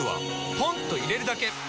ポンと入れるだけ！